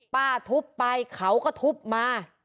ป้าทุบไปเขาก็ทุบมา